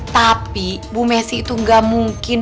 tapi bu messi itu gak mungkin